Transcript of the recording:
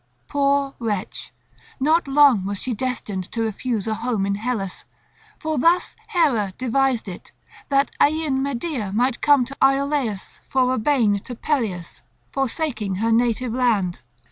Poor wretch! Not long was she destined to refuse a home in Hellas. For thus Hera devised it, that Aeaean Medea might come to Ioleus for a bane to Pelias, forsaking her native land.